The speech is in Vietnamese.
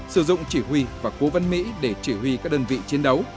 sử dụng chỉ huy và cố vân mỹ để chỉ huy các đơn vị chiến đấu